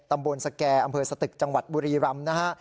ตำบลสแก่อำเภอสตึกจังหวัดบุรีรำนะฮะ